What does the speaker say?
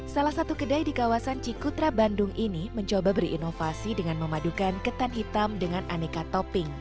salah satu kedai di kawasan cikutra bandung ini mencoba berinovasi dengan memadukan ketan hitam dengan aneka topping